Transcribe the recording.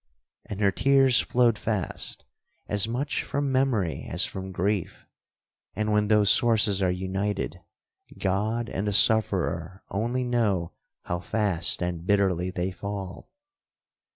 And her tears flowed fast, as much from memory as from grief—and when those sources are united, God and the sufferer only know how fast and bitterly they fall.